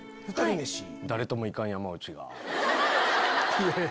いやいや。